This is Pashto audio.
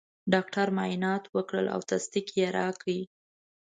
ډاکټر معاینات وکړل او تصدیق یې راکړ.